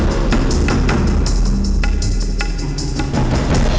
pokoknya gak enak banget tuh yuk